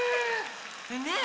ねえ